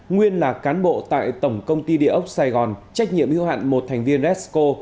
nguyên là cán bộ tại tổng công ty địa ốc sài gòn trách nhiệm hưu hạn một thành viên resco